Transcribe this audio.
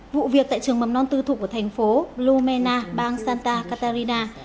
vụ việc tại trường mầm non tư thục của thành phố blumenau bang santa catarina